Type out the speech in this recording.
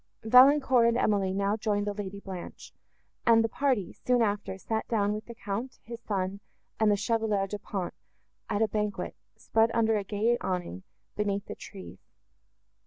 Valancourt and Emily now joined the Lady Blanche; and the party, soon after, sat down with the Count, his son, and the Chevalier Du Pont, at a banquet, spread under a gay awning, beneath the trees.